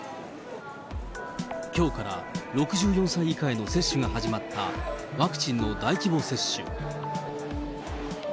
きょうから、６４歳以下への接種が始まったワクチンの大規模接種。